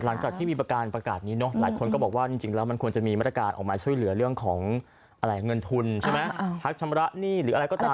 หลังจากที่มีประกาศนี้หลายคนก็บอกว่ามันควรจะมีบริการออกมาช่วยเหลือเรื่องของเงินทุนภักดิ์ชมระหนี้หรืออะไรก็ตาม